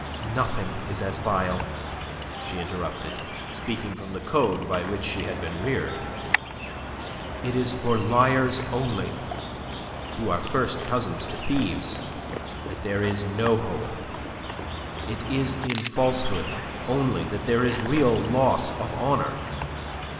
"Nothing is as vile," she interrupted, speaking from the code by which she had been reared. "It is for liars only who are first cousin to thieves that there is no hope. It is in falsehood only that there is real loss of honour."